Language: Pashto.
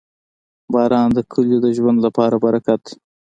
• باران د کلیو د ژوند لپاره برکت دی.